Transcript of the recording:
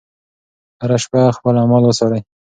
هره شپه خپل اعمال وڅارئ.